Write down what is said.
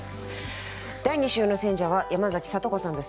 第２週の選者は山崎聡子さんです。